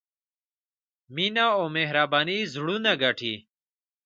مینه او مهرباني زړونه ګټي.